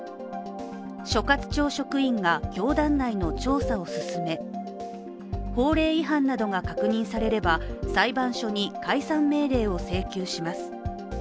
所轄庁職員が教団内の調査を進め法令違反などが確認されれば裁判所に解散命令を請求します。